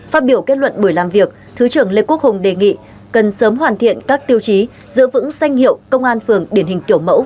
phát biểu kết luận buổi làm việc thứ trưởng lê quốc hùng đề nghị cần sớm hoàn thiện các tiêu chí giữ vững danh hiệu công an phường điển hình kiểu mẫu